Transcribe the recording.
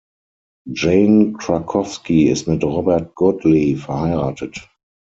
Jane Krakowski ist mit Robert Godley verheiratet.